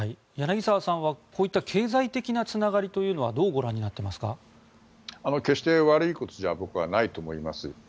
柳澤さんは、こういった経済的なつながりというのはどうご覧になっていますか？決して悪いことでは僕はないと思います。